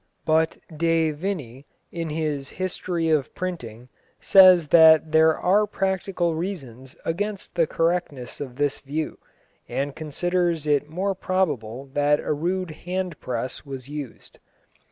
But De Vinne, in his History of Printing, says that there are practical reasons against the correctness of this view, and considers it more probable that a rude hand press was used.